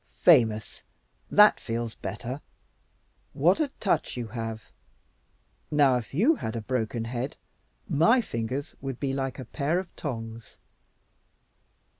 "Famous! That feels better. What a touch you have! Now, if you had a broken head, my fingers would be like a pair of tongs."